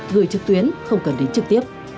gửi trực tuyến không cần đến trực tiếp